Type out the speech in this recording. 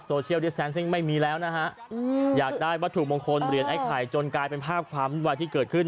ซึ่งไม่มีแล้วนะฮะอยากได้วัตถุมงคลเรียนไอไข่จนกลายเป็นภาพความวิวาดที่เกิดขึ้น